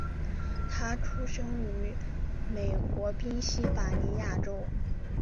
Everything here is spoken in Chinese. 他出生于美国宾夕法尼亚州。